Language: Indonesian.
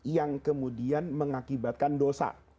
yang kemudian mengakibatkan dosa